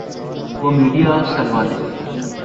وہ میڈیاسیل والے؟